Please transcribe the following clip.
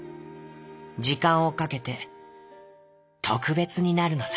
「じかんをかけて『とくべつ』になるのさ」。